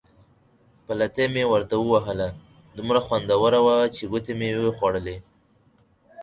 پلتۍ مې ورته ووهله، دومره خوندوره وه چې ګوتې مې وې خوړلې.